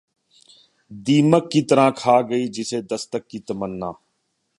دیمک کی طرح کھا گئی جسے دستک کی تمنا